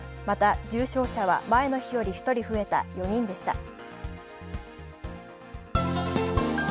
また、重症者は前の日より１人増えた４人でした。